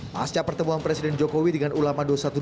pasca pertemuan presiden jokowi dengan ulama dua ratus dua belas